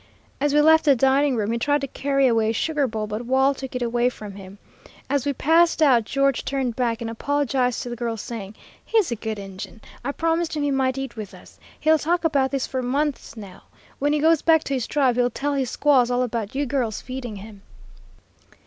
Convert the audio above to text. As we left the dining room, he tried to carry away a sugar bowl, but Wall took it away from him. As we passed out George turned back and apologized to the girls, saying, 'He's a good Injun. I promised him he might eat with us. He'll talk about this for months now. When he goes back to his tribe he'll tell his squaws all about you girls feeding him.'"